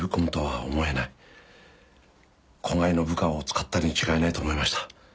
子飼いの部下を使ったに違いないと思いました。